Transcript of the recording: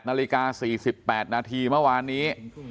นาฬิกา๔๘นาทีเมื่อวานนี้